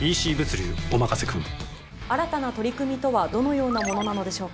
新たな取り組みとはどのようなものなのでしょうか？